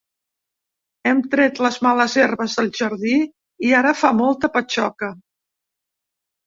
Hem tret les males herbes del jardí i ara fa molta patxoca.